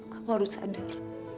kamu harus sadar